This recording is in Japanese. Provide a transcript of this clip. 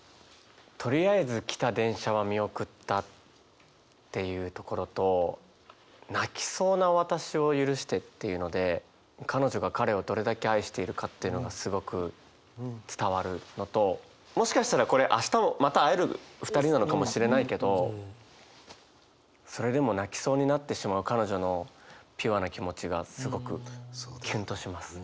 「とりあえず来た電車は見送った」っていうところと「泣きそうな私を許して」っていうので彼女が彼をどれだけ愛しているかっていうのがすごく伝わるのともしかしたらこれ明日もまた会える２人なのかもしれないけどそれでも泣きそうになってしまう彼女のピュアな気持ちがすごくキュンとします。